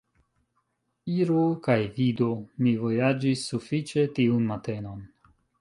Iru kaj vidu; mi vojaĝis sufiĉe tiun matenon.